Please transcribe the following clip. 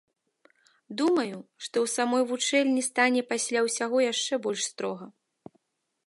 Думаю, што ў самой вучэльні стане пасля ўсяго яшчэ больш строга.